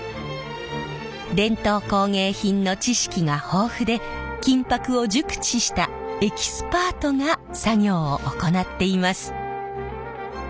伝統工芸品の知識が豊富で金箔を熟知したエキスパートが作業を行っています。